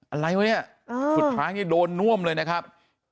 อะไรวะเนี่ยสุดท้ายนี่โดนน่วมเลยนะครับ